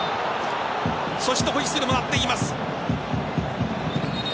そしてホイッスルも鳴っています。